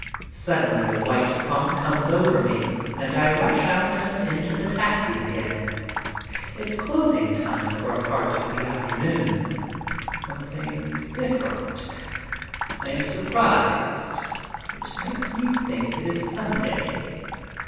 Suddenly a white funk comes over me and I rush out and into the taxi again. It's closing time for a part of the after noon. Something different. I am surprised. It makes me think it is Sunday.